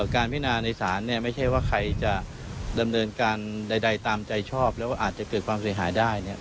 พินาในศาลเนี่ยไม่ใช่ว่าใครจะดำเนินการใดตามใจชอบแล้วก็อาจจะเกิดความเสียหายได้เนี่ย